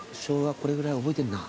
これぐらい覚えてるな。